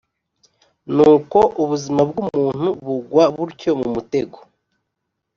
Nuko ubuzima bw’umuntu bugwa butyo mu mutego,